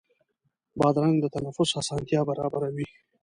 بادرنګ د تنفس اسانتیا برابروي.